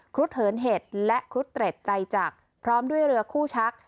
รุดเหินเห็ดและครุฑเตร็ดไตรจักรพร้อมด้วยเรือคู่ชัก